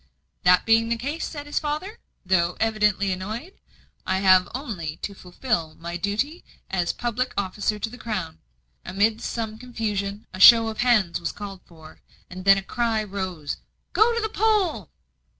"That being the case," said his father, though evidently annoyed, "I have only to fulfil my duty as public officer to the Crown." Amidst some confusion, a show of hands was called for; and then a cry rose of "Go to the poll!"